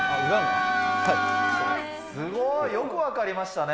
すごい、よく分かりましたね。